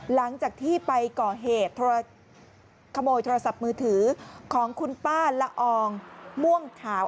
หลังจากที่ไปก่อเหตุขโมยโทรศัพท์มือถือของคุณป้าละอองม่วงขาว